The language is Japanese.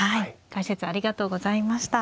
解説ありがとうございました。